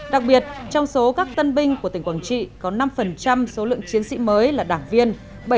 đặc biệt trong số các tân binh của tỉnh quảng trị có năm số lượng chiến sĩ mới là đảng viên